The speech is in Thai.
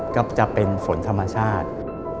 ก็จะเป็นฝนธรรมชาติ